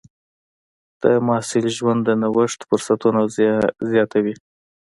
د محصل ژوند د نوښت فرصتونه زیاتوي.